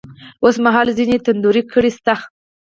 اوس مـهال ځــينې تـنـدروې کـړۍ شـتـه.